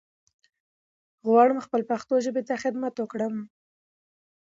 غواړم خپل پښتو ژبې ته خدمت وکړم